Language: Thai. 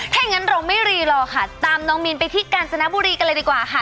ถ้างั้นเราไม่รีรอค่ะตามน้องมินไปที่กาญจนบุรีกันเลยดีกว่าค่ะ